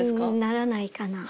ならないかな。